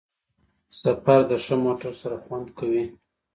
سفر د ښه موټر سره خوند کوي.